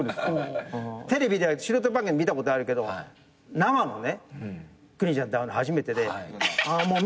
テレビでは素人番組見たことあるけど生の邦ちゃんと会うの初めてでもう見た感じね